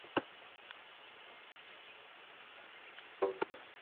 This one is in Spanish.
Sin embargo Kota sobrevivió.